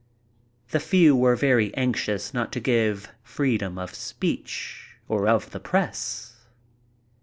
The few were very anxious not to give freedom of speech or of the press.